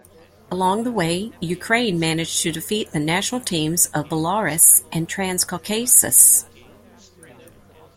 Along the way, Ukraine managed to defeat the national teams of Belarus and Transcaucasus.